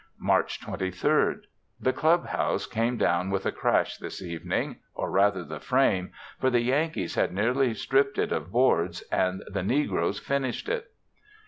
March 23rd. The Club House came down with a crash this evening, or rather the frame, for the Yankees had nearly stripped it of boards and the negroes finished it.